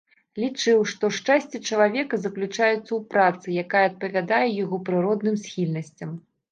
Лічыў, што шчасце чалавека заключаецца ў працы, якая адпавядае яго прыродным схільнасцям.